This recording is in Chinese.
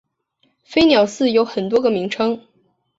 飞鸟寺有很多个名称。